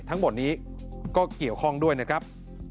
ทั้งหมดนี้ก็เกี่ยวข้องด้วยนะครับ